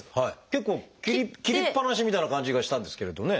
結構切りっぱなしみたいな感じがしたんですけれどね。